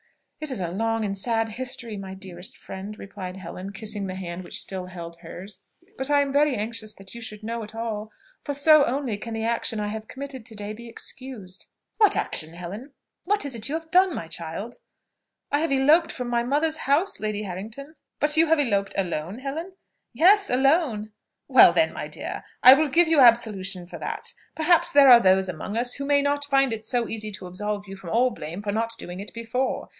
"It is a long and sad history, my dearest friend," replied Helen, kissing the hand which still held hers, "but I am very anxious that you should know it all; for so only can the action I have committed to day be excused." "What action, Helen? what is it you have done, my child?" "I have eloped from my mother's house, Lady Harrington." "But you have eloped alone, Helen?" "Yes! alone." "Well then, my dear, I will give you absolution for that. Perhaps there are those among us who may not find it so easy to absolve you from all blame for not doing it before.